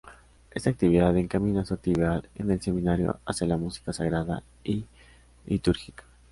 Esta actividad encamina su actividad en el Seminario hacia la música sagrada y litúrgica.